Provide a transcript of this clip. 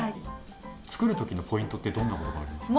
作るときのポイントってどんなものがありますか？